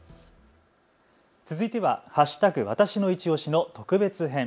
続いては＃わたしのいちオシの特別編。